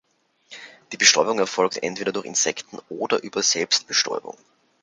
Die Bestäubung erfolgt entweder durch Insekten oder über Selbstbestäubung.